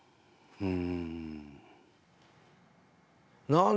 うん。